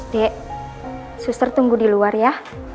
di suster tunggu di luar ya